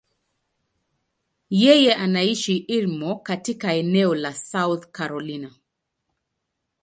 Yeye anaishi Irmo, katika eneo la South Carolina.